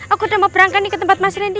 aku udah mau berangkat nih ke tempat mas randy